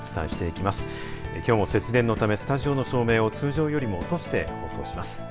きょうも節電のためスタジオの照明を通常より落として放送します。